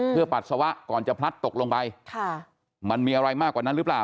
เพื่อปัสสาวะก่อนจะพลัดตกลงไปมันมีอะไรมากกว่านั้นหรือเปล่า